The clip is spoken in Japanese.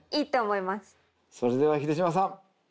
それでは秀島さん！